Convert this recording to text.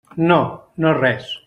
No, no res.